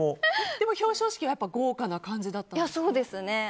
でも、表彰式は豪華な感じだったんですか？